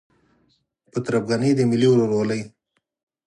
پر تربګنۍ د ملي ورورولۍ